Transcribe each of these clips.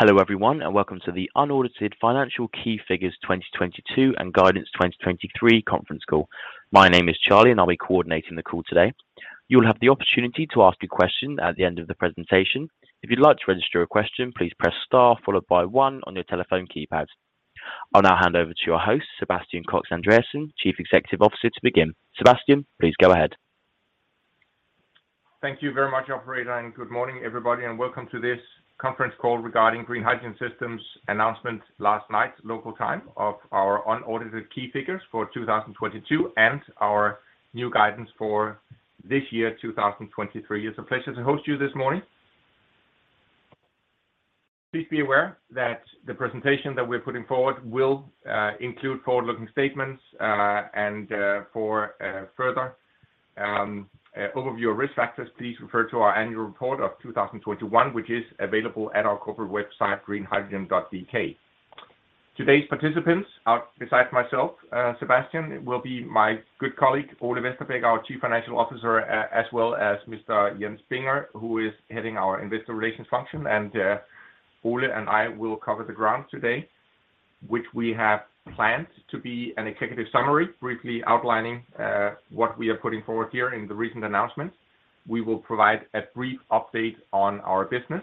Hello everyone, welcome to the unaudited financial key figures 2022 and guidance 2023 conference call. My name is Charlie, and I'll be coordinating the call today. You'll have the opportunity to ask a question at the end of the presentation. If you'd like to register a question, please press star followed by 1 on your telephone keypad. I'll now hand over to your host, Sebastian Koks Andreassen, Chief Executive Officer, to begin. Sebastian, please go ahead. Thank you very much, operator. Good morning, everybody, and welcome to this conference call regarding Green Hydrogen Systems announcement last night, local time, of our unaudited key figures for 2022 and our new guidance for this year, 2023. It's a pleasure to host you this morning. Please be aware that the presentation that we're putting forward will include forward-looking statements, and for further overview of risk factors, please refer to our annual report of 2021, which is available at our corporate website, greenhydrogen.dk. Today's participants are besides myself, Sebastian, will be my good colleague, Ole Vesterbæk, our Chief Financial Officer, as well as Mr. Jens Binger, who is heading our investor relations function. Ole and I will cover the ground today, which we have planned to be an executive summary, briefly outlining what we are putting forward here in the recent announcement. We will provide a brief update on our business.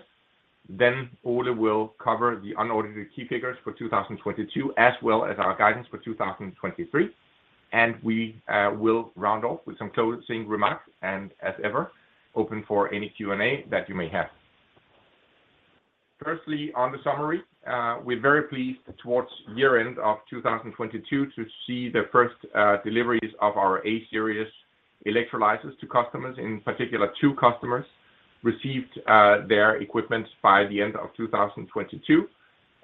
Ole will cover the unaudited key figures for 2022, as well as our guidance for 2023. We will round off with some closing remarks and as ever, open for any Q&A that you may have. On the summary, we're very pleased towards year-end of 2022 to see the first deliveries of our A-Series electrolyzers to customers. In particular, two customers received their equipment by the end of 2022,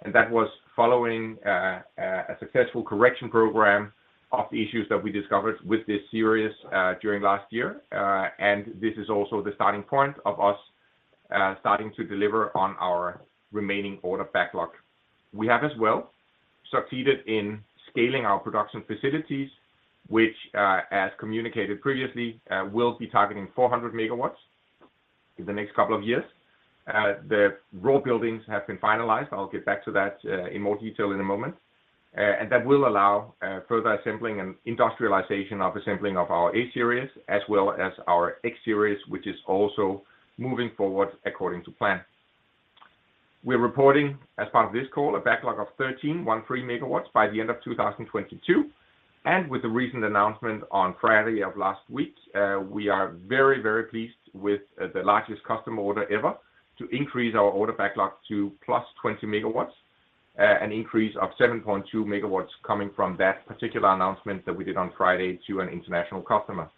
and that was following a successful correction program of issues that we discovered with this series during last year. the starting point of us starting to deliver on our remaining order backlog. We have as well succeeded in scaling our production facilities, which, as communicated previously, will be targeting 400 MW in the next couple of years. The raw buildings have been finalized. I'll get back to that in more detail in a moment. And that will allow further assembling and industrialization of assembling of our A-Series, as well as our X-Series, which is also moving forward according to plan. We're reporting, as part of this call, a backlog of 13 MW by the end of 2022. With the recent announcement on Friday of last week, we are very, very pleased with the largest customer order ever to increase our order backlog to plus 20 MW, an increase of 7.2 MW coming from that particular announcement that we did on Friday to an international customer.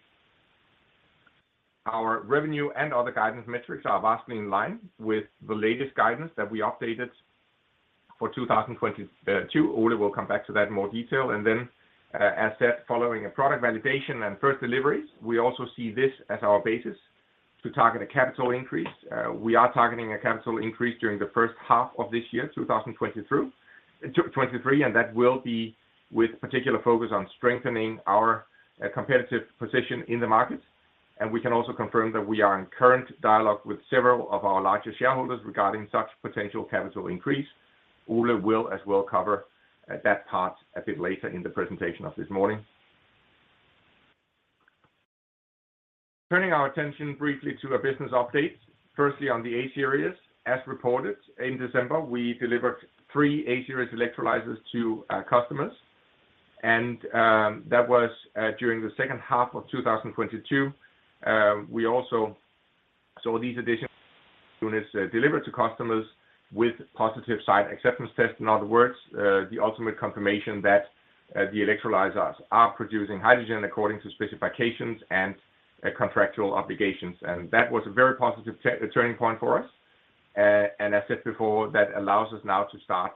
Our revenue and other guidance metrics are vastly in line with the latest guidance that we updated for 2022. Ole will come back to that in more detail. As said, following a product validation and first deliveries, we also see this as our basis to target a capital increase. We are targeting a capital increase during the first half of this year, 2023, and that will be with particular focus on strengthening our competitive position in the markets. We can also confirm that we are in current dialogue with several of our larger shareholders regarding such potential capital increase. Ole will as well cover that part a bit later in the presentation of this morning. Turning our attention briefly to a business update, firstly on the A-Series. As reported in December, we delivered three A-Series electrolyzers to our customers, and that was during the second half of 2022. We also saw these additional units delivered to customers with positive Site Acceptance Test. In other words, the ultimate confirmation that the electrolyzers are producing hydrogen according to specifications and contractual obligations. That was a very positive turning point for us. As said before, that allows us now to start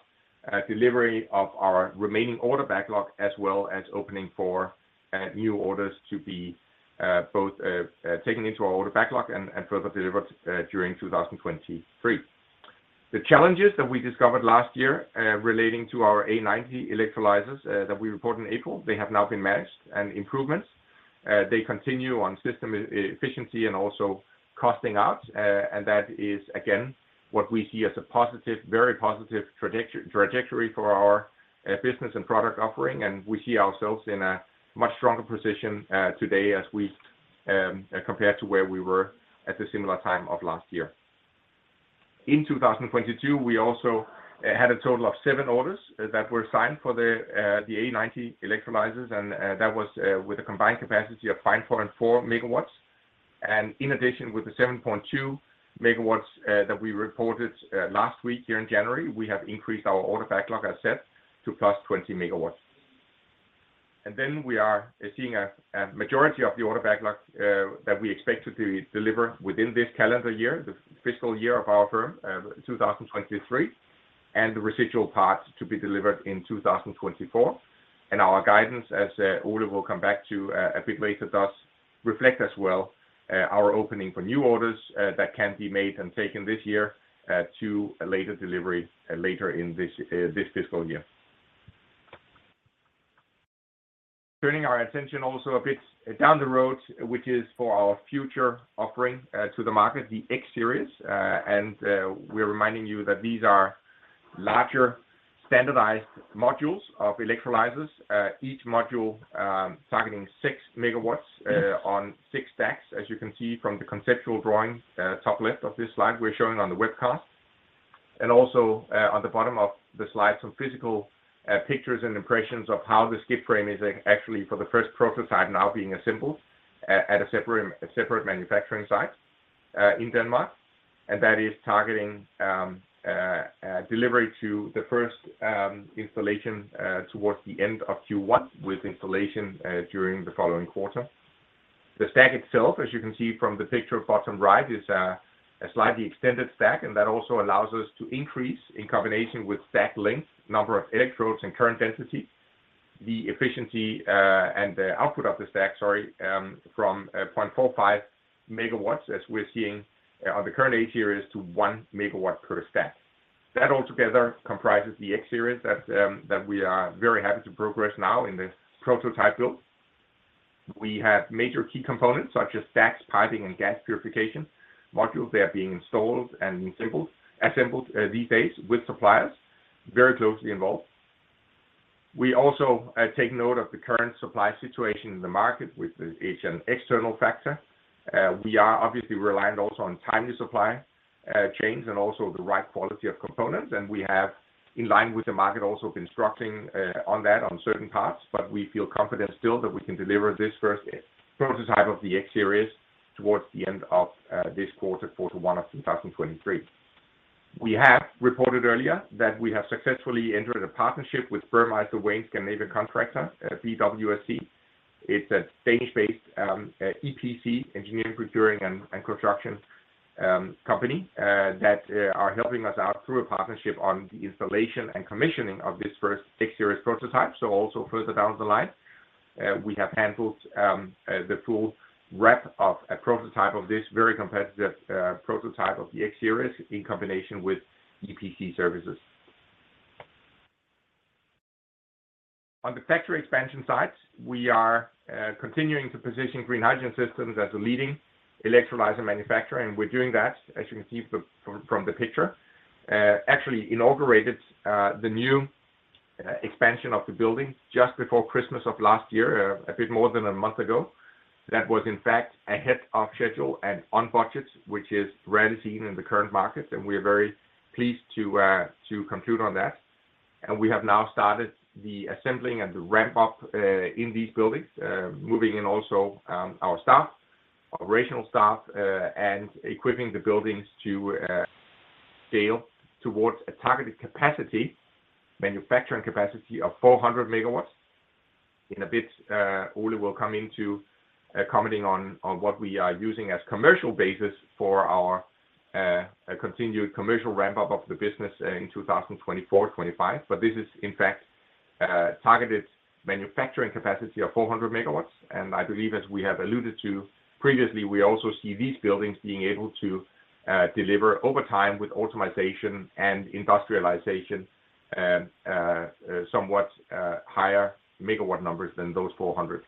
delivery of our remaining order backlog, as well as opening for new orders to be both taken into our order backlog and further delivered during 2023. The challenges that we discovered last year relating to our A90 electrolysers that we reported in April, they have now been managed and improvements. They continue on system efficiency and also costing out. That is again, what we see as a positive, very positive trajectory for our business and product offering. We see ourselves in a much stronger position today as we compared to where we were at a similar time of last year. In 2022, we also had a total of seven orders that were signed for the A90 electrolysers, and that was with a combined capacity of 5.4 MW. In addition, with the 7.2 MW that we reported last week here in January, we have increased our order backlog, as said, to +20 MW. Then we are seeing a majority of the order backlog that we expect to deliver within this calendar year, the fiscal year of our firm, 2023, and the residual parts to be delivered in 2024. Our guidance, as Ole will come back to, a bit later, thus reflect as well, our opening for new orders, that can be made and taken this year, to a later delivery, later in this fiscal year. Turning our attention also a bit down the road, which is for our future offering, to the market, the X-Series. We're reminding you that these are larger standardized modules of electrolysers. Each module, targeting 6 MW, on six stacks, as you can see from the conceptual drawing, top left of this slide we're showing on the webcast. Also, on the bottom of the slide, some physical pictures and impressions of how the skid frame is actually for the first prototype now being assembled at a separate manufacturing site in Denmark. That is targeting delivery to the first installation towards the end of Q1, with installation during the following quarter. The stack itself, as you can see from the picture bottom right, is a slightly extended stack, and that also allows us to increase in combination with stack length, number of electrodes and current density, the efficiency and the output of the stack, sorry, from 0.45 MW as we're seeing on the current A-Series to 1 MW per stack. That all together comprises the X-Series that we are very happy to progress now in the prototype build. We have major key components such as stacks, piping and gas purification modules. They are being installed and assembled these days with suppliers very closely involved. We also take note of the current supply situation in the market, which is an external factor. We are obviously reliant also on timely supply chains and also the right quality of components. We have, in line with the market, also been structuring on that on certain parts. We feel confident still that we can deliver this first prototype of the X-Series towards the end of this quarter, Q1 of 2023. We have reported earlier that we have successfully entered a partnership with Burmeister & Wain Scandinavian Contractor, BWSC. It's a Danish-based EPC, engineering, procuring and construction company that are helping us out through a partnership on the installation and commissioning of this first X-Series prototype. Also further down the line, we have handled the full wrap of a prototype of this very competitive prototype of the X-Series in combination with EPC services. On the factory expansion sites, we are continuing to position Green Hydrogen Systems as a leading electrolyzer manufacturer. We're doing that, as you can see from the picture. actually inaugurated the new expansion of the building just before Christmas of last year, a bit more than a month ago. That was in fact ahead of schedule and on budget, which is rarely seen in the current market. We are very pleased to compute on that. We have now started the assembling and the ramp up in these buildings, moving in also our staff, operational staff, and equipping the buildings to scale towards a targeted capacity, manufacturing capacity of 400 MW. In a bit, Ole will come into commenting on what we are using as commercial basis for our continued commercial ramp up of the business in 2024, 2025. This is in fact a targeted manufacturing capacity of 400 MW. I believe, as we have alluded to previously, we also see these buildings being able to deliver over time with optimization and industrialization, somewhat higher MW numbers than those 400.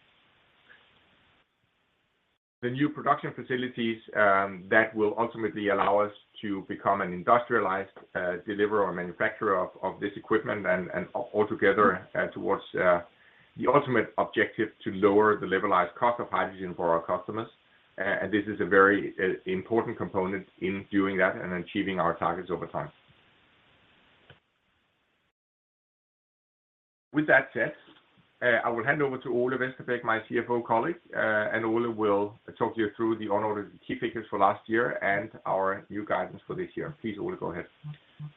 The new production facilities, that will ultimately allow us to become an industrialized, deliverer or manufacturer of this equipment and all together towards the ultimate objective to lower the levelized cost of hydrogen for our customers. This is a very important component in doing that and achieving our targets over time. With that said, I will hand over to Ole Vesterbæk, my CFO colleague. Ole will talk you through the unaudited key figures for last year and our new guidance for this year. Please, Ole, go ahead.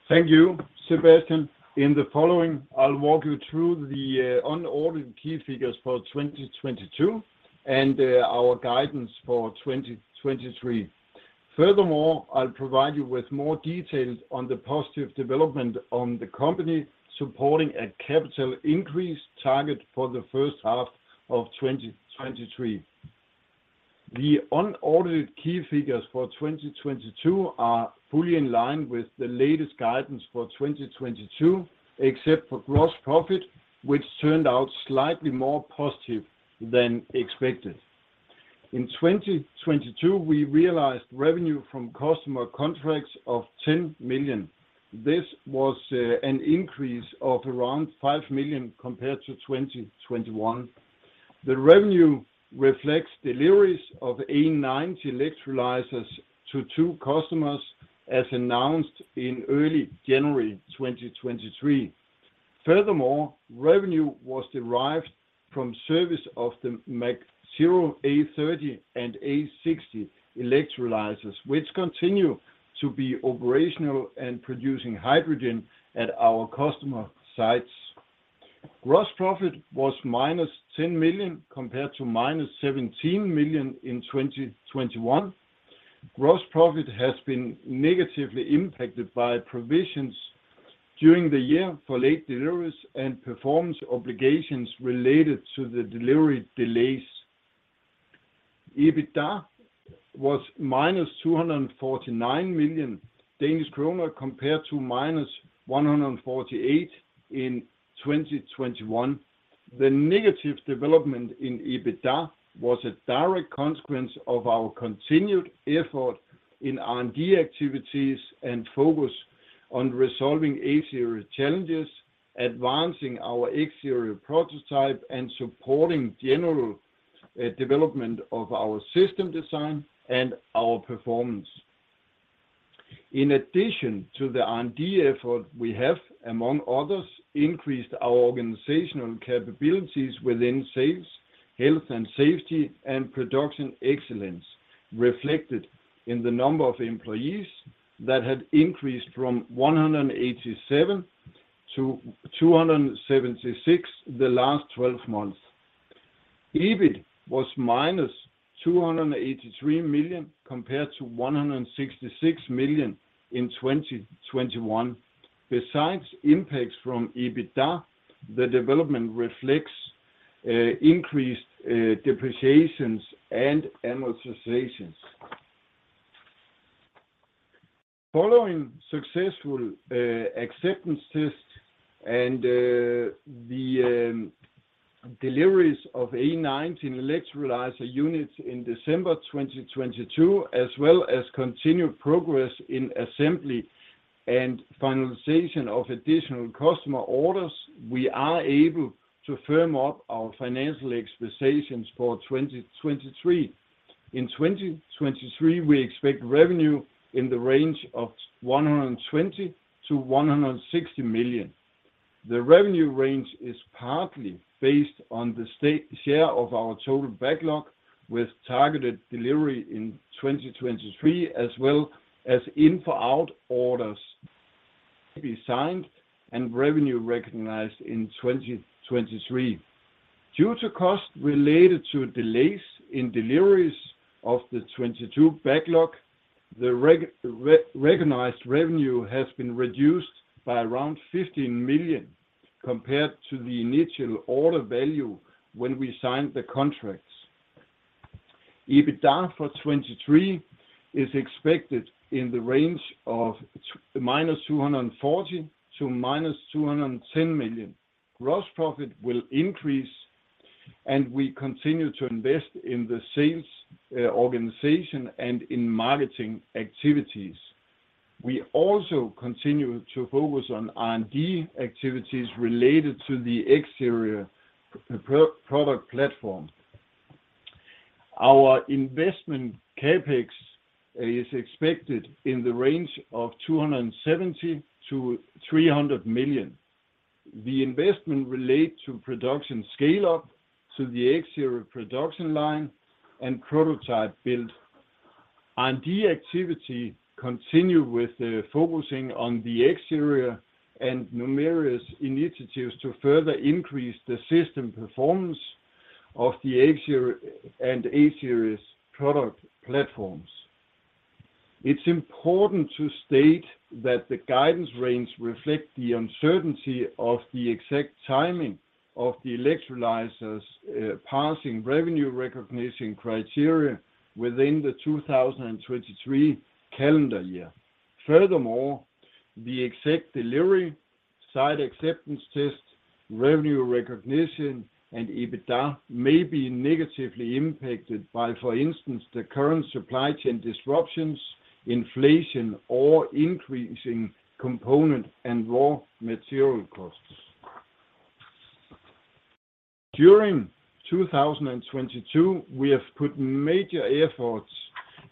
Thank you, Sebastian. In the following, I'll walk you through the unaudited key figures for 2022 and our guidance for 2023. I'll provide you with more details on the positive development on the company supporting a capital increase target for the first half of 2023. The unaudited key figures for 2022 are fully in line with the latest guidance for 2022, except for gross profit, which turned out slightly more positive than expected. In 2022, we realized revenue from customer contracts of 10 million. This was an increase of around 5 million compared to 2021. The revenue reflects deliveries of A90 electrolyzers to two customers, as announced in early January 2023. Revenue was derived from service of the MAG Zero A30 and A60 electrolyzers, which continue to be operational and producing hydrogen at our customer sites. Gross profit was minus 10 million, compared to minus 17 million in 2021. Gross profit has been negatively impacted by provisions during the year for late deliveries and performance obligations related to the delivery delays. EBITDA was minus 249 million Danish kroner compared to minus 148 million in 2021. The negative development in EBITDA was a direct consequence of our continued effort in R&D activities and focus on resolving A-Series challenges, advancing our X-Series prototype, and supporting general development of our system design and our performance. In addition to the R&D effort, we have, among others, increased our organizational capabilities within sales, health and safety, and production excellence, reflected in the number of employees that had increased from 187 - 276 the last 12 months. EBIT was -283 million, compared to 166 million in 2021. Besides impacts from EBITDA, the development reflects increased depreciations and amortizations. Following successful acceptance tests and the deliveries of A90 electrolyzer units in December 2022, as well as continued progress in assembly and finalization of additional customer orders, we are able to firm up our financial expectations for 2023. In 2023, we expect revenue in the range of 120 million-160 million. The revenue range is partly based on the state share of our total backlog with targeted delivery in 2023 as well as in-for-out orders to be signed and revenue recognized in 2023. Due to costs related to delays in deliveries of the 2022 backlog, the recognized revenue has been reduced by around 15 million compared to the initial order value when we signed the contracts. EBITDA for 2023 is expected in the range of minus 240 million - minus 210 million. Gross profit will increase, and we continue to invest in the sales organization and in marketing activities. We also continue to focus on R&D activities related to the X-Series product platform. Our investment CapEx is expected in the range of 270 million - 300 million. The investment relate to production scale-up to the X-Series production line and prototype build. R&D activity continue with focusing on the X-Series and numerous initiatives to further increase the system performance of the A-Series product platforms. It's important to state that the guidance range reflect the uncertainty of the exact timing of the electrolyzers passing revenue recognition criteria within the 2023 calendar year. The exact delivery, Site Acceptance Test, revenue recognition, and EBITDA may be negatively impacted by, for instance, the current supply chain disruptions, inflation, or increasing component and raw material costs. During 2022, we have put major efforts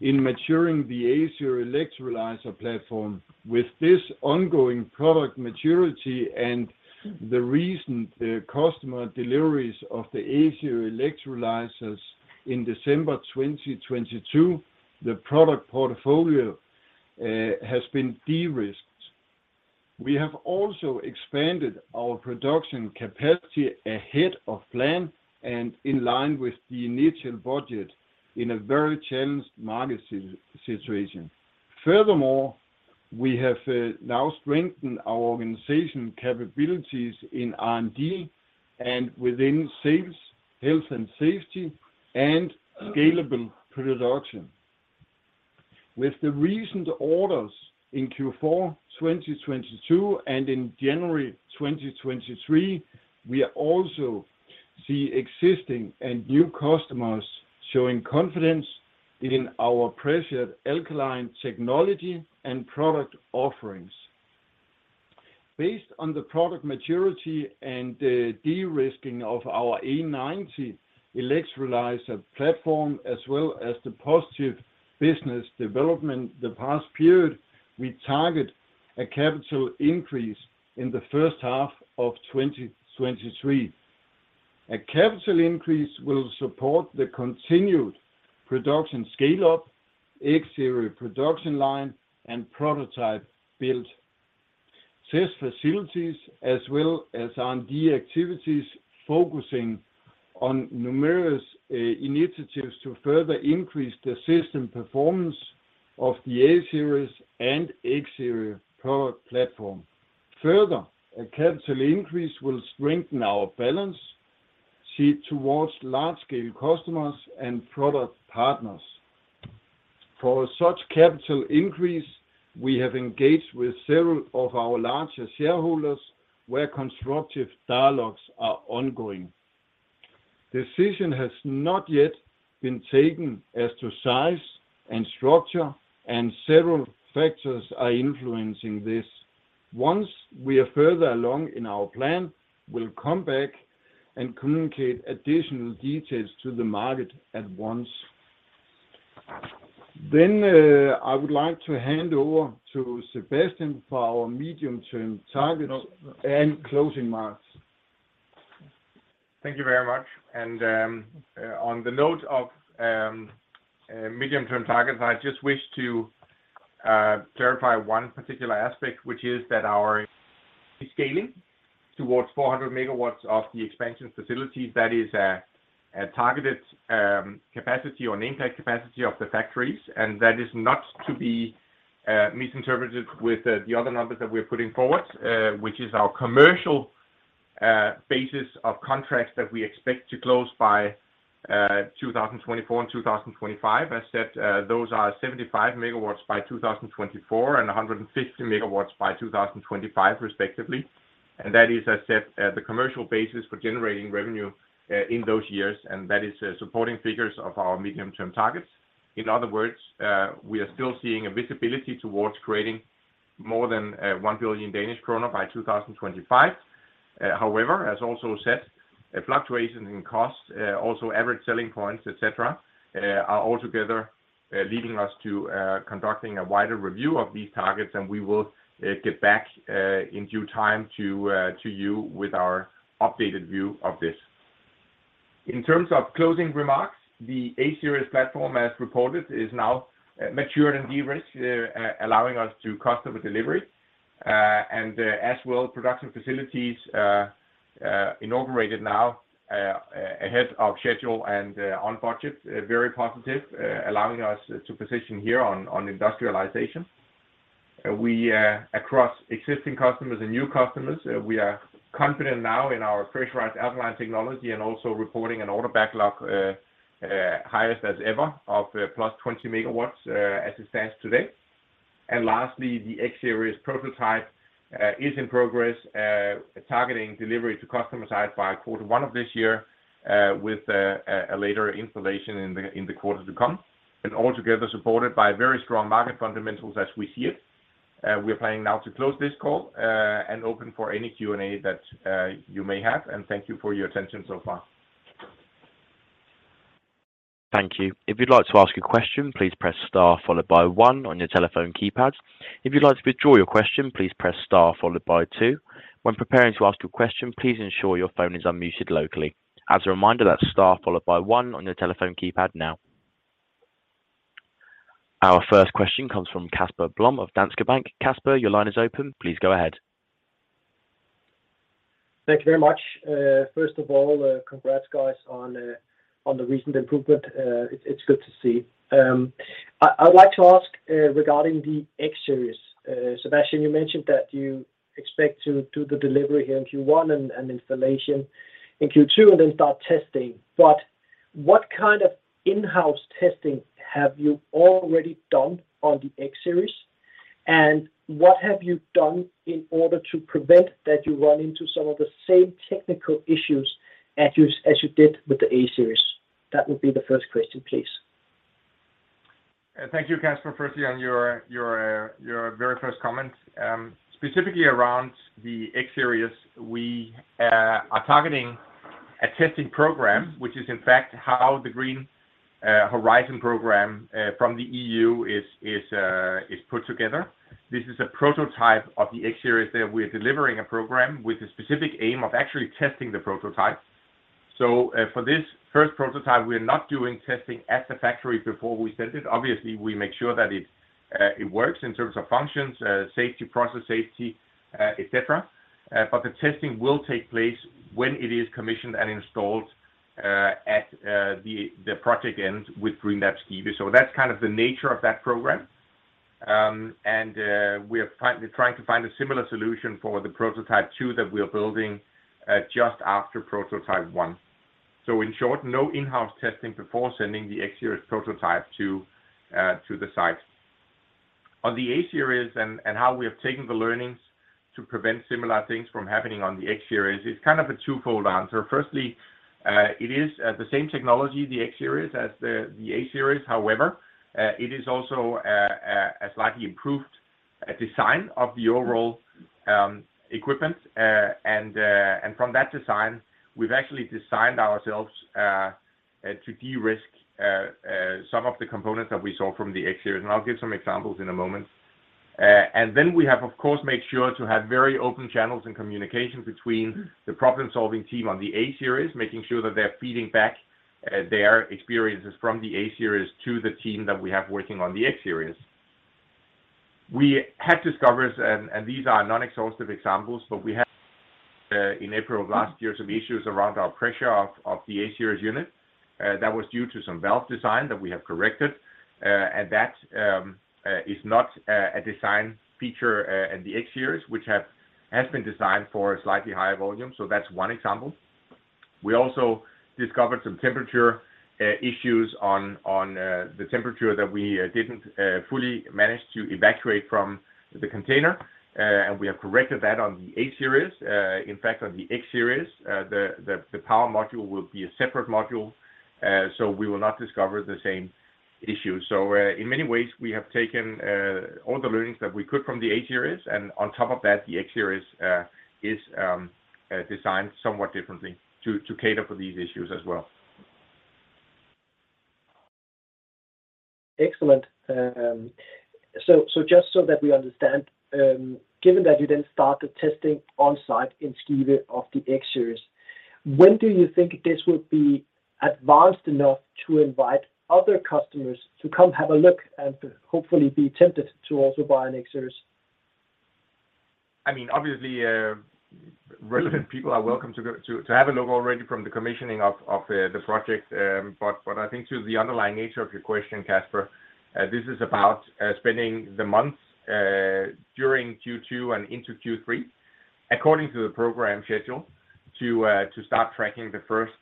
in maturing the A-Series electrolyzer platform. With this ongoing product maturity and the recent customer deliveries of the A-Series electrolyzers in December 2022, the product portfolio has been de-risked. We have also expanded our production capacity ahead of plan and in line with the initial budget in a very challenged market situation. We have now strengthened our organization capabilities in R&D and within sales, health and safety, and scalable production. With the recent orders in Q4 2022 and in January 2023, we are also see existing and new customers showing confidence in our pressurised alkaline technology and product offerings. Based on the product maturity and the de-risking of our A90 electrolyser platform, as well as the positive business development the past period, we target a capital increase in the first half of 2023. A capital increase will support the continued production scale-up, A-Series production line, and prototype build, test facilities as well as R&D activities focusing on numerous initiatives to further increase the system performance of the A-Series and A-Series product platform. A capital increase will strengthen our balance sheet towards large scale customers and product partners. For such capital increase, we have engaged with several of our larger shareholders where constructive dialogues are ongoing. Decision has not yet been taken as to size and structure, and several factors are influencing this. Once we are further along in our plan, we'll come back and communicate additional details to the market at once. I would like to hand over to Sebastian for our medium-term targets and closing remarks. Thank you very much. On the note of medium-term targets, I just wish to clarify one particular aspect, which is that our scaling towards 400 MW of the expansion facilities, that is a targeted capacity or nameplate capacity of the factories. That is not to be misinterpreted with the other numbers that we're putting forward, which is our commercial basis of contracts that we expect to close by 2024 and 2025. As said, those are 75 MW by 2024, and 150 MW by 2025 respectively. That is, as said, the commercial basis for generating revenue in those years, and that is supporting figures of our medium-term targets. In other words, we are still seeing a visibility towards creating more than 1 billion Danish kroner by 2025. However, as also said, a fluctuation in costs, also average selling points, etc., are all together leading us to conducting a wider review of these targets, and we will get back in due time to you with our updated view of this. In terms of closing remarks, the A-Series platform as reported, is now matured and de-risked, allowing us to customer delivery. As well, production facilities inaugurated now ahead of schedule and on budget, very positive, allowing us to position here on industrialization. We across existing customers and new customers, we are confident now in our pressurised alkaline technology and also reporting an order backlog, highest as ever of plus 20 MW as it stands today. Lastly, the X-Series prototype is in progress, targeting delivery to customer site by quarter one of this year, with a later installation in the quarter to come, all together supported by very strong market fundamentals as we see it. We're planning now to close this call, open for any Q&A that you may have, thank you for your attention so far. Thank you. If you'd like to ask a question, please press star followed by one on your telephone keypad. If you'd like to withdraw your question, please press star followed by two. When preparing to ask a question, please ensure your phone is unmuted locally. As a reminder, that's star followed by one on your telephone keypad now. Our first question comes from Casper Blom of Danske Bank. Casper, your line is open. Please go ahead. Thank you very much. First of all, congrats guys on the recent improvement. It's good to see. I'd like to ask regarding the X-Series. Sebastian, you mentioned that you expect to do the delivery here in Q1 and installation in Q2, and then start testing. What kind of in-house testing have you already done on the X-Series? What have you done in order to prevent that you run into some of the same technical issues as you did with the A-Series? That would be the first question, please. Thank you, Casper, firstly on your very first comment. Specifically around the X-Series, we are targeting a testing program, which is in fact how the green Horizon program from the EU is put together. This is a prototype of the X-Series that we're delivering a program with the specific aim of actually testing the prototype. For this first prototype, we are not doing testing at the factory before we send it. Obviously, we make sure that it works in terms of functions, safety, process safety, etc. The testing will take place when it is commissioned and installed at the project end with GreenLab Skive. That's kind of the nature of that program. We're trying to find a similar solution for the prototype 2 that we are building just after prototype 1. In short, no in-house testing before sending the X-Series prototype to the site. On the A-Series and how we have taken the learnings to prevent similar things from happening on the X-Series, it's kind of a twofold answer. Firstly, it is the same technology, the X-Series, as the A-Series. However, it is also a slightly improved design of the overall equipment. From that design, we've actually designed ourselves to de-risk some of the components that we saw from the X-Series, and I'll give some examples in a moment. We have, of course, made sure to have very open channels and communication between the problem-solving team on the A-Series, making sure that they're feeding back their experiences from the A-Series to the team that we have working on the X-Series. We have discovered, these are non-exhaustive examples, in April of last year, some issues around our pressure of the A-Series unit. That was due to some valve design that we have corrected, and that is not a design feature in the X-Series, which has been designed for a slightly higher volume. That's one example. We also discovered some temperature issues on the temperature that we didn't fully manage to evacuate from the container. We have corrected that on the A-Series. In fact, on the X-Series, the power module will be a separate module, so we will not discover the same issue. In many ways, we have taken all the learnings that we could from the A-Series, and on top of that, the X-Series is designed somewhat differently to cater for these issues as well. Excellent. Just so that we understand, given that you then started testing on site in Skive of the X-Series, when do you think this will be advanced enough to invite other customers to come have a look and hopefully be tempted to also buy an X-Series? I mean, obviously, relevant people are welcome to have a look already from the commissioning of the project. But I think to the underlying nature of your question, Casper, this is about spending the months during Q2 and into Q3 according to the program schedule to start tracking the first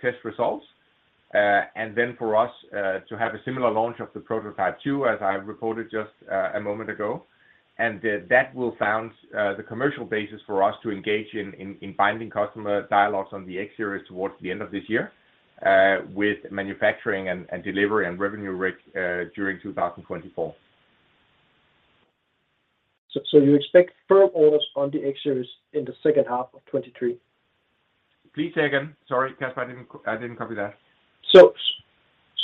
test results. Then for us to have a similar launch of the prototype 2, as I reported just a moment ago. That will found the commercial basis for us to engage in binding customer dialogues on the X-Series towards the end of this year, with manufacturing and delivery and revenue rec- during 2024. You expect firm orders on the X-Series in the second half of 2023? Please say again. Sorry, Casper, I didn't copy that.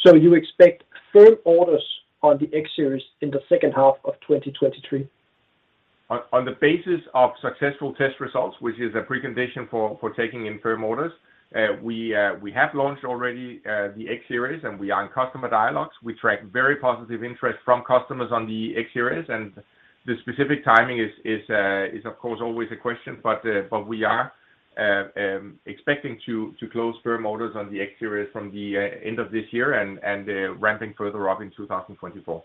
You expect firm orders on the X-Series in the second half of 2023? On the basis of successful test results, which is a precondition for taking in firm orders, we have launched already the X-Series. We are in customer dialogues. We track very positive interest from customers on the X-Series. The specific timing is of course always a question. We are expecting to close firm orders on the X-Series from the end of this year and ramping further up in 2024.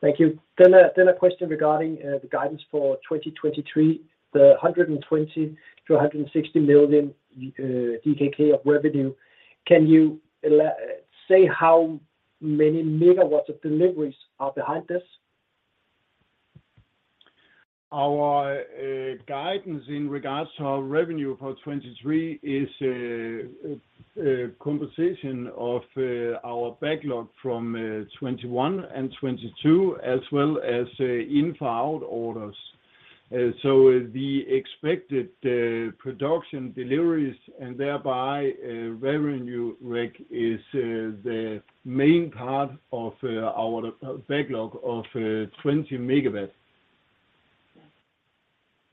Thank you. A question regarding the guidance for 2023, the 120 million-160 million DKK of revenue. Can you say how many MW of deliveries are behind this? Our guidance in regards to our revenue for 2023 is composition of our backlog from 2021 and 2022, as well as in-for-out orders. The expected production deliveries and thereby revenue rec is the main part of our backlog of 20 MW.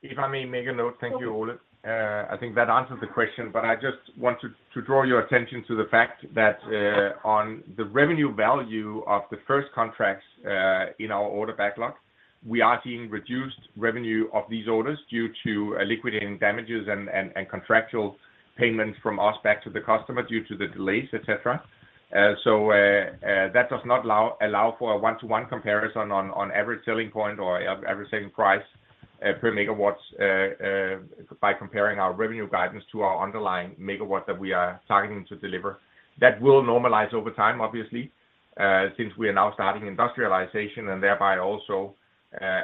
If I may make a note. Thank you, Ole. I think that answers the question, but I just want to draw your attention to the fact that on the revenue value of the first contracts in our order backlog, we are seeing reduced revenue of these orders due to liquidated damages and contractual payments from us back to the customer due to the delays, et cetera. That does not allow for a one-to-one comparison on average selling point or average selling price per MW by comparing our revenue guidance to our underlying MW that we are targeting to deliver. That will normalize over time, obviously, since we are now starting industrialization and thereby also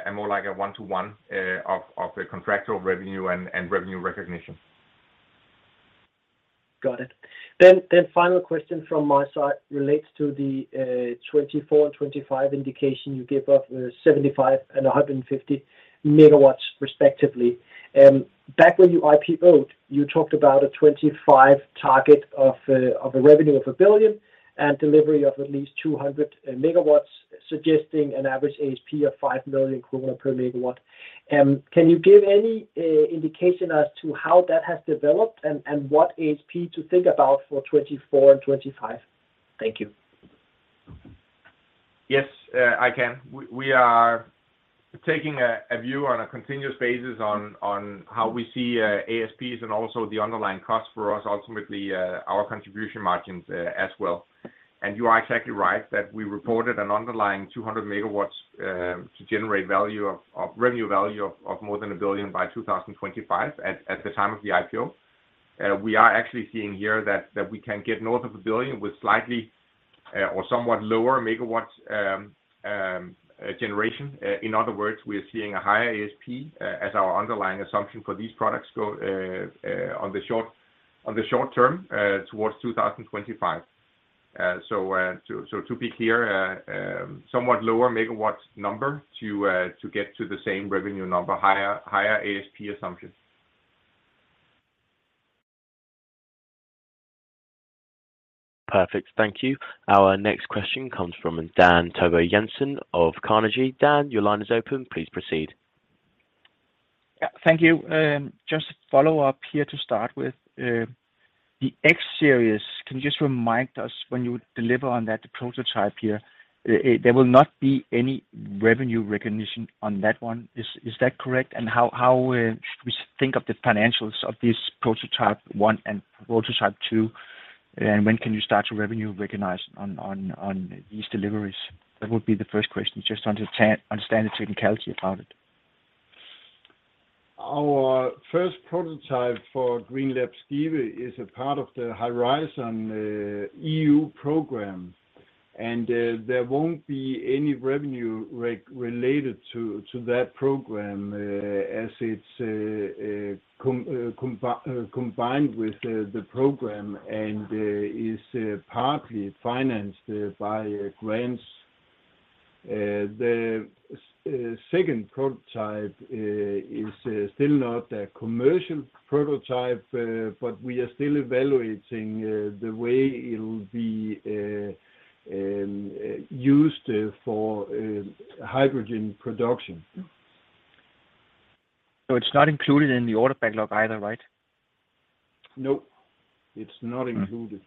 a more like a one-to-one of the contractual revenue and revenue recognition. Got it. Final question from my side relates to the 2024/2025 indication you gave of 75 and 150 MW respectively. Back when you IPO'd, you talked about a 2025 target of a revenue of 1 billion and delivery of at least 200 MW, suggesting an average ASP of 5 million kroner per MW. Can you give any indication as to how that has developed and what ASP to think about for 2024 and 2025? Thank you. Yes, I can. We are taking a view on a continuous basis on how we see ASPs and also the underlying costs for us, ultimately, our contribution margins as well. You are exactly right that we reported an underlying 200 MW to generate value of revenue value of more than 1 billion by 2025 at the time of the IPO. We are actually seeing here that we can get north of 1 billion with slightly or somewhat lower MW generation. In other words, we are seeing a higher ASP as our underlying assumption for these products go on the short term towards 2025. To be clear, somewhat lower MW number to get to the same revenue number, higher ASP assumption. Perfect. Thank you. Our next question comes from Dan Togo Jensen of Carnegie. Dan, your line is open. Please proceed. Yeah, thank you. Just follow up here to start with. The X-Series, can you just remind us when you deliver on that prototype here, there will not be any revenue recognition on that one, is that correct? How should we think of the financials of this prototype one and prototype two, and when can you start to revenue recognize on these deliveries? That would be the first question. Just understand the technicality about it. Our first prototype for GreenLab Skive is a part of the Horizon EU program, and there won't be any revenue related to that program, as it's combined with the program, and is partly financed by grants. The second prototype is still not a commercial prototype, but we are still evaluating the way it'll be used for hydrogen production. It's not included in the order backlog either, right? No, it's not included.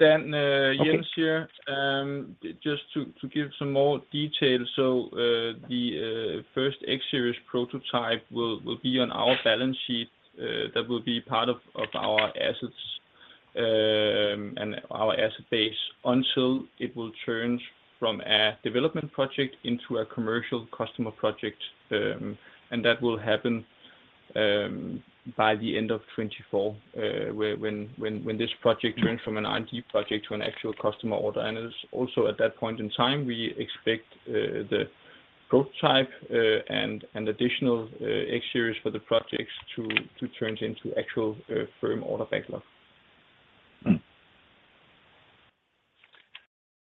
Mm-hmm. Jens here. Just to give some more detail. The first X-Series prototype will be on our balance sheet, that will be part of our assets and our asset base until it will change from a development project into a commercial customer project. That will happen by the end of 2024, when this project turns from an R&D project to an actual customer order. Also at that point in time, we expect the prototype and additional X-Series for the projects to turn into actual firm order backlog.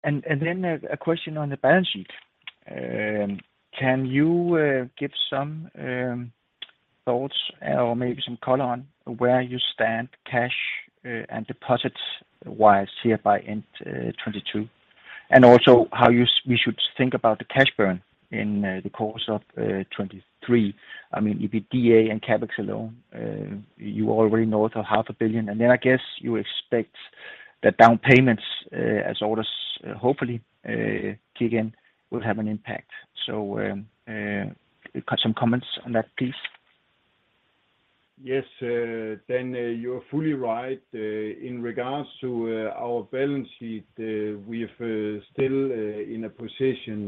Then a question on the balance sheet. Can you give some thoughts or maybe some color on where you stand cash and deposits-wise here by end 2022. Also how we should think about the cash burn in the course of 2023. I mean, if EBITDA and CapEx alone, you already north of half a billion, and then I guess you expect the down payments as orders, hopefully, kick in, will have an impact. Some comments on that, please. Yes, Dan, you're fully right. In regards to our balance sheet, we are still in a position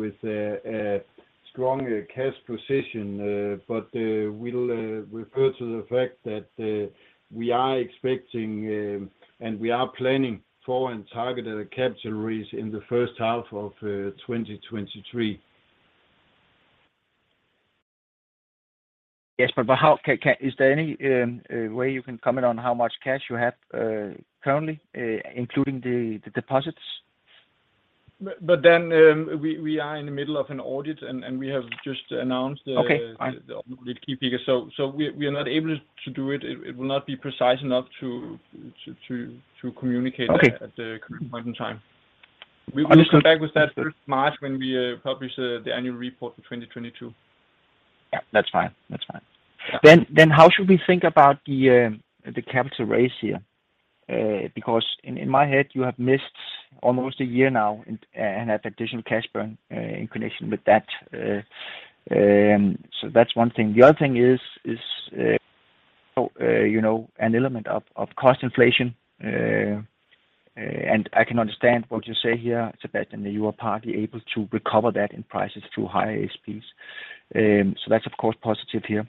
with a strong cash position. We'll refer to the fact that we are expecting and we are planning for and targeted a capital raise in the first half of 2023. Yes. Is there any way you can comment on how much cash you have currently, including the deposits? We are in the middle of an audit and we have just announced. Okay. All right. The key figures. We are not able to do it. It will not be precise enough to communicate. Okay. At the current point in time. We will come back with that first March when we publish the annual report for 2022. Yeah. That's fine. That's fine. How should we think about the capital raise here? Because in my head, you have missed almost a year now and have additional cash burn in connection with that. So that's one thing. The other thing is, you know, an element of cost inflation. I can understand what you say here, Sebastian, you are partly able to recover that in prices through higher ASPs. So that's of course positive here.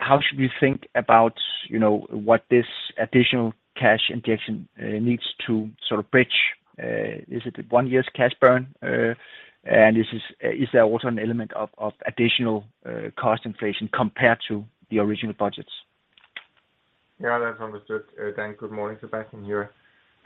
How should we think about, you know, what this additional cash injection needs to sort of bridge? Is it one year's cash burn? Is there also an element of additional cost inflation compared to the original budgets? Yeah, that's understood. Dan, good morning. Sebastian here.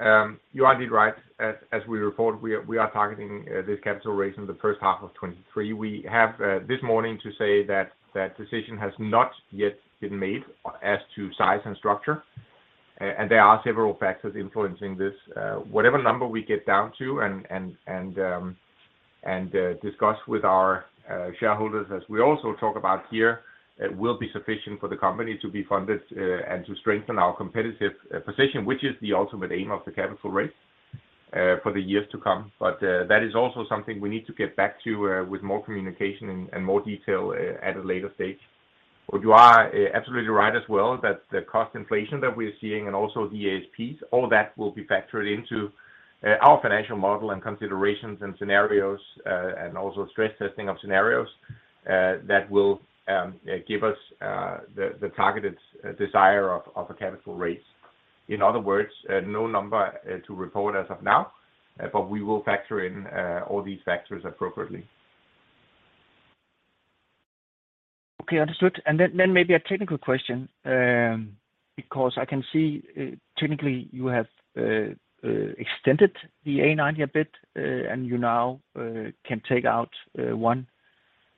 You are indeed right. As, as we report, we are targeting this capital raise in the first half of 2023. We have this morning to say that that decision has not yet been made as to size and structure. There are several factors influencing this. Whatever number we get down to and, and discuss with our shareholders, as we also talk about here, it will be sufficient for the company to be funded and to strengthen our competitive position, which is the ultimate aim of the capital raise for the years to come. That is also something we need to get back to with more communication and more detail at a later stage. You are absolutely right as well, that the cost inflation that we're seeing and also the ASPs, all that will be factored into our financial model and considerations and scenarios and also stress testing of scenarios that will give us the targeted desire of a capital raise. In other words, no number to report as of now, but we will factor in all these factors appropriately. Okay. Understood. Then maybe a technical question, because I can see, technically you have extended the A90 a bit, and you now can take out 1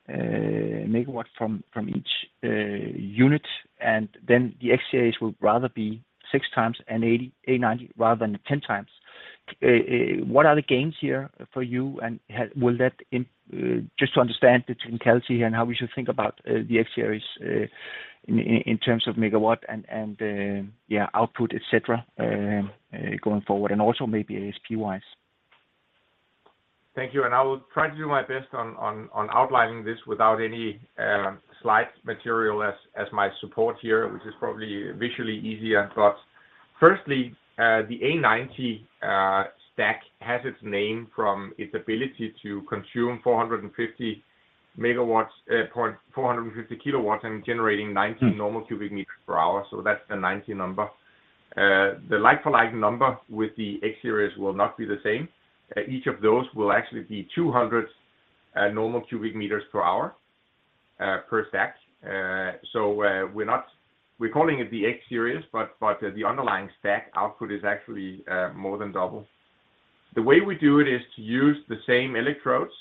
MW from each unit, and then the X-Series will rather be 6 times A90 rather than 10 times. What are the gains here for you, and will that just to understand the technicality here and how we should think about the X-Series in terms of MW and, yeah, output, et cetera, going forward, and also maybe ASP-wise? Thank you. I will try to do my best on outlining this without any slide material as my support here, which is probably visually easier. Firstly, the A90 stack has its name from its ability to consume 450 MW, 0.450 kilowatts and generating 90 Normal Cubic Meters per Hour, so that's the 90 number. The like for like number with the X-Series will not be the same. Each of those will actually be 200 Normal Cubic Meters per Hour per stack. We're calling it the X-Series, but the underlying stack output is actually more than double. The way we do it is to use the same electrodes.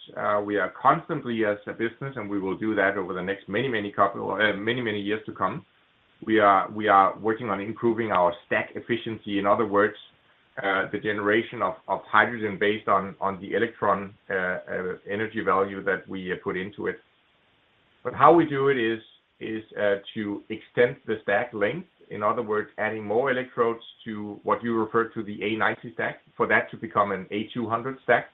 We are constantly as a business, and we will do that over the next many, many couple or many, many years to come. We are working on improving our stack efficiency, in other words, the generation of hydrogen based on the electron energy value that we put into it. How we do it is to extend the stack length. In other words, adding more electrodes to what you refer to the A90 stack for that to become an A200 stack.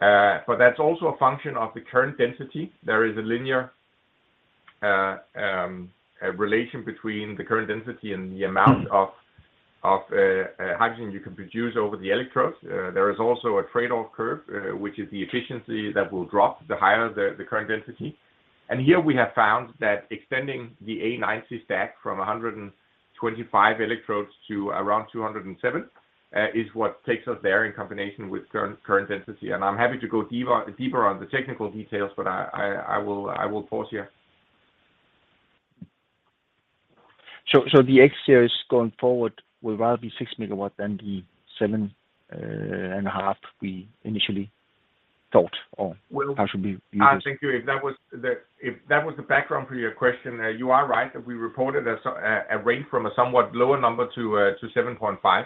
That's also a function of the current density. There is a linear relation between the current density and the amount of hydrogen you can produce over the electrodes. There is also a trade-off curve, which is the efficiency that will drop the higher the current density. Here we have found that extending the A90 stack from 125 electrodes to around 207 is what takes us there in combination with current density. I'm happy to go dive deeper on the technical details, but I will pause here. The X-Series going forward will rather be 6 MW than the 7.5 we initially thought or possibly use. Thank you. If that was the background for your question, you are right that we reported a range from a somewhat lower number to 7.5.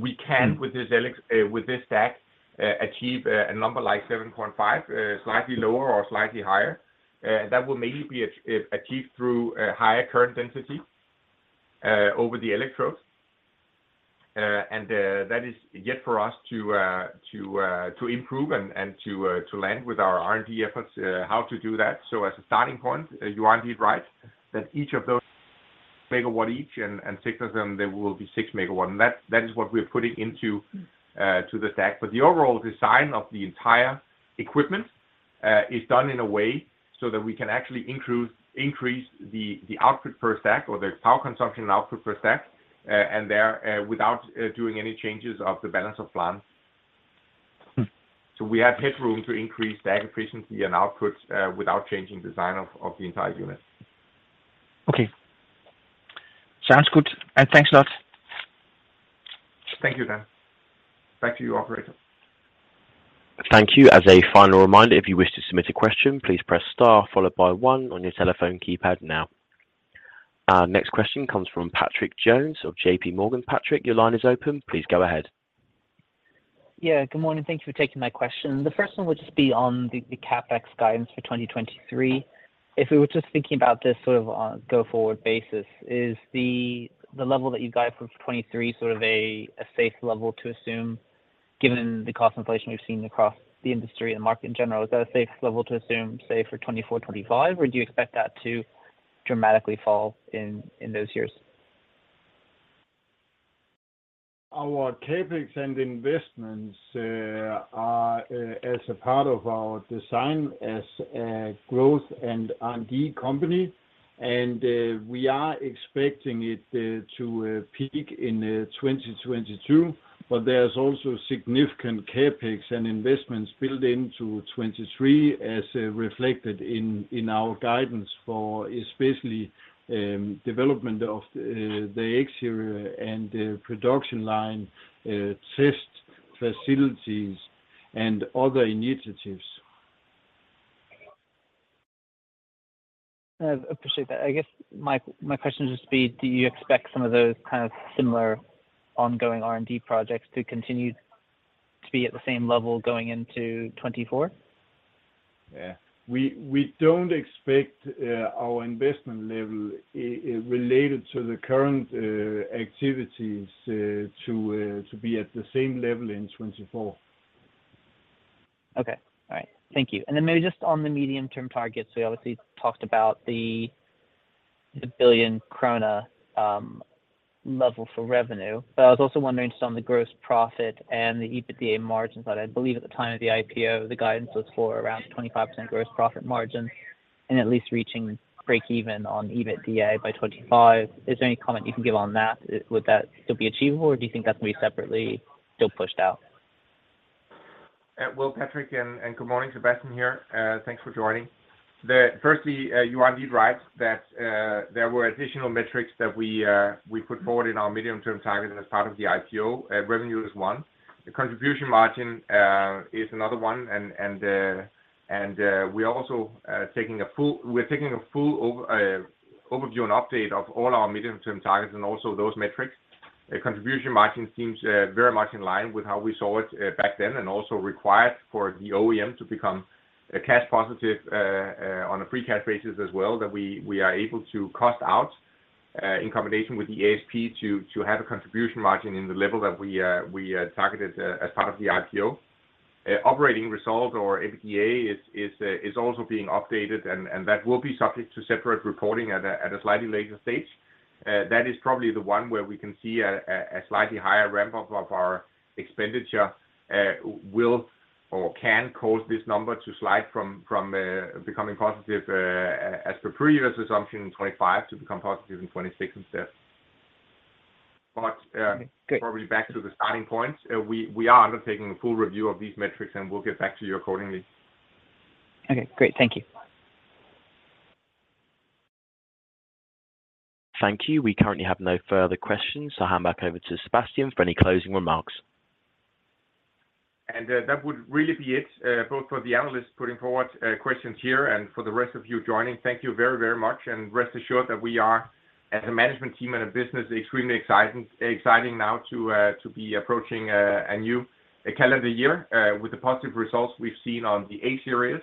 We can with this stack achieve a number like 7.5, slightly lower or slightly higher. That will maybe be achieved through a higher current density over the electrodes. That is yet for us to improve and to land with our R&D efforts, how to do that. As a starting point, you are indeed right that each of those MW each and six of them, they will be 6 MW. That is what we're putting into the stack. The overall design of the entire equipment is done in a way so that we can actually increase the output per stack or the power consumption and output per stack, and there, without doing any changes of the balance of plant. Mm-hmm. We have headroom to increase stack efficiency and output, without changing design of the entire unit. Okay. Sounds good. Thanks a lot. Thank you, Dan. Back to you, operator. Thank you. As a final reminder, if you wish to submit a question, please press star followed by one on your telephone keypad now. Our next question comes from Patrick Jones of JP Morgan. Patrick, your line is open. Please go ahead. Yeah, good morning. Thank you for taking my question. The first one would just be on the CapEx guidance for 2023. If we were just thinking about this sort of on a go forward basis, is the level that you guide for 2023 sort of a safe level to assume given the cost inflation we've seen across the industry and the market in general? Is that a safe level to assume, say, for 2024, 2025, or do you expect that to dramatically fall in those years? Our CapEx and investments are as a part of our design as a growth and R&D company. We are expecting it to peak in 2022, but there's also significant CapEx and investments built into 2023 as reflected in our guidance for especially, development of the X area and the production line, test facilities and other initiatives. I appreciate that. I guess my question would just be, do you expect some of those kind of similar ongoing R&D projects to continue to be at the same level going into 2024? Yeah. We don't expect our investment level related to the current activities to be at the same level in 2024. Okay. All right. Thank you. Then maybe just on the medium-term targets, we obviously talked about the 1 billion krone level for revenue. I was also wondering just on the gross profit and the EBITDA margins. I believe at the time of the IPO, the guidance was for around 25% gross profit margin and at least reaching break even on EBITDA by 2025. Is there any comment you can give on that? Would that still be achievable, or do you think that's gonna be separately still pushed out? Well, Patrick, and good morning. Sebastian here. Thanks for joining. Firstly, you are indeed right that there were additional metrics that we put forward in our medium to end target as part of the IPO. Revenue is one. The contribution margin is another one. And we are also taking a full overview and update of all our medium-term targets and also those metrics. Contribution margin seems very much in line with how we saw it back then, and also required for the OEM to become cash positive on a free cash basis as well, that we are able to cost out in combination with the ASP to have a contribution margin in the level that we targeted as part of the IPO. Operating result or EBITDA is also being updated, and that will be subject to separate reporting at a slightly later stage. That is probably the one where we can see a slightly higher ramp-up of our expenditure will or can cause this number to slide from becoming positive as per previous assumption in 25 to become positive in 26 instead. Okay, great. Probably back to the starting point. We are undertaking a full review of these metrics, and we'll get back to you accordingly. Okay, great. Thank you. Thank you. We currently have no further questions, so I'll hand back over to Sebastian for any closing remarks. That would really be it, both for the analysts putting forward questions here and for the rest of you joining. Thank you very, very much, and rest assured that we are, as a management team and a business, extremely exciting now to be approaching a new calendar year with the positive results we've seen on the A-Series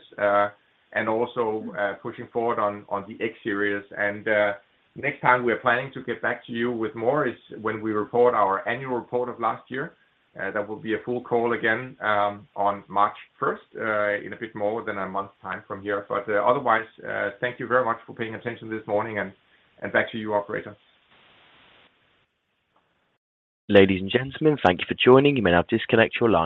and also pushing forward on the X-Series. Next time we are planning to get back to you with more is when we report our annual report of last year. That will be a full call again on March first in a bit more than a month time from here. Otherwise, thank you very much for paying attention this morning, and back to you, operator. Ladies and gentlemen, thank you for joining. You may now disconnect your lines.